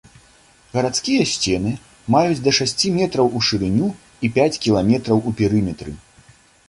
Гарадскія сцены маюць да шасці метраў у шырыню і пяць кіламетраў у перыметры.